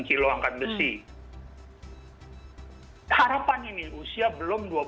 oke jadi memang masih banyak ya sebenarnya harapan harapan indonesia di olimpiade dua ribu dua puluh empat nanti di paris